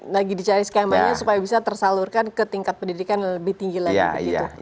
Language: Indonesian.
lagi dicari skemanya supaya bisa tersalurkan ke tingkat pendidikan yang lebih tinggi lagi begitu